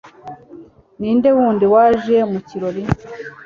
ninde wundi waje mu kirori